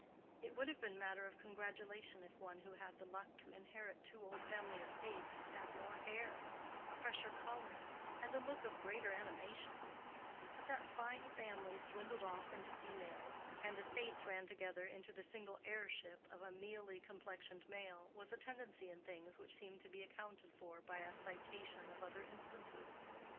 It would have been matter of congratulation if one who had the luck to inherit two old family estates had had more hair, a fresher color, and a look of greater animation; but that fine families dwindled off into females, and estates ran together into the single heirship of a mealy complexioned male, was a tendency in things which seemed to be accounted for by a citation of other instances.